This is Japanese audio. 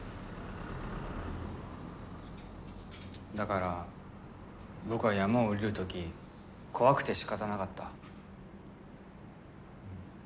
だから僕は山を下りる時怖くてしかたなかった。